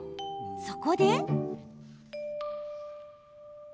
そこで。